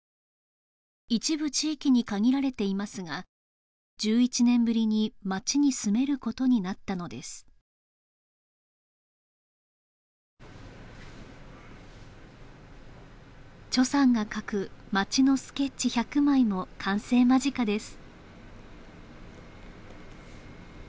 一部地域に限られていますが１１年ぶりに町に住めることになったのですさんが描く町のスケッチ１００枚も完成間近です